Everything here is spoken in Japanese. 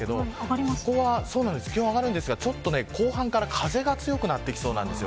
ここは気温が上がるんですが後半から風が強くなってきそうです。